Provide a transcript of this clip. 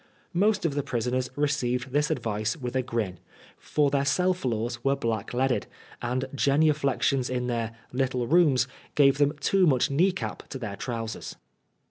Most of the prisoners received this advice with a grin, for their cell floors were black leaded, and genuflexions in their '' little rooms " gave them too much knee cap to their trousers.